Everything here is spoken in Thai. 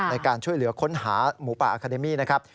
ในการช่วยเหลือค้นหาหมูป่าอาคาเดมี่นะครับ